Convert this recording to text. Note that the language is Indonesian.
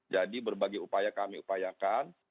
berbagai upaya kami upayakan